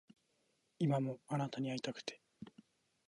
今もあなたに逢いたくて